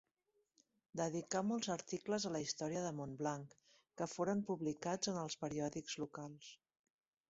Dedicà molts articles a la història de Montblanc que foren publicats en els periòdics locals.